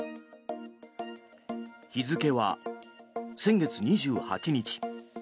日付は先月２８日。